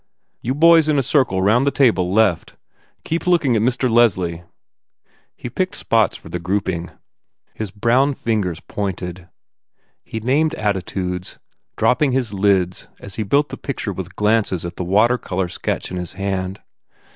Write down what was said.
"You boys in a circle round the table, left. Keep looking at Mr. Leslie." He picked spots for the grouping. His brown fingers pointed. He named attitudes, dropping his lids as he built the picture with glances at the water colour sketch in his hand.